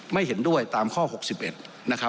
ไม่เห็นด้วยตามข้อ๖๑